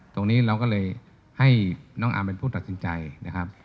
ตรงนี้เราก็เลยให้น้องอาร์มเป็นผู้ตัดสินใจนะครับ